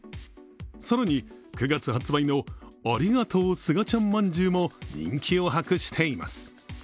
更に９月発売の、ありがとうスガちゃんまんじゅうも人気を博しています。